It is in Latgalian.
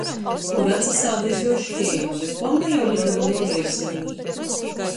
Kura atsasāda iz juo škeiva, bet ponna jau liduoja juo vierzīnī.